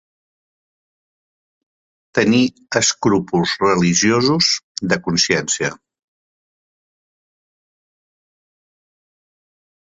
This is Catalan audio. Tenir escrúpols religiosos, de consciència.